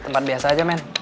tempat biasa aja men